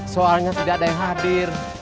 soalnya tidak ada yang hadir